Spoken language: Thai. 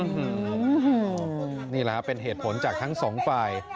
นี่แหละครับเป็นเหตุผลจากทั้งสองฝ่าย